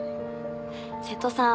瀬戸さん